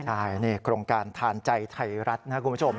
ใช่นี่โครงการทานใจไทยรัฐนะครับคุณผู้ชม